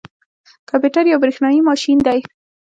کمپيوټر یو بریښنايي ماشین دی